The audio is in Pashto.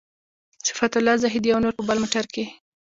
صفت الله زاهدي او نور په بل موټر کې.